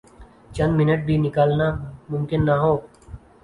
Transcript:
چند منٹ بھی نکالنا ممکن نہ ہوں۔